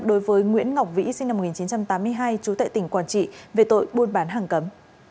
đối với nguyễn ngọc vĩ sinh năm một nghìn chín trăm tám mươi hai chú tệ tỉnh quản trị về tội buôn bán hàng cấm